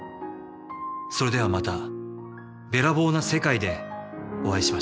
それではまたべらぼうな世界でお会いしましょう。